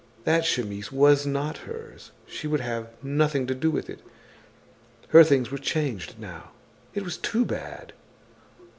That chemise was not hers, she would have nothing to do with it. Her things were changed now; it was too bad!